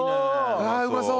ああうまそう！